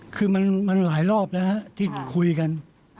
คือมันหลายรอบแล้วที่คุยกัน